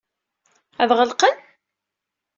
Ad ɣ-qeblen?